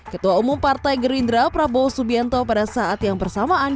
ketua umum partai gerindra prabowo subianto pada saat yang bersamaan